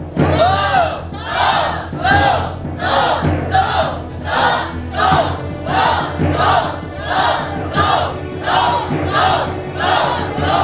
สู้สู้สู้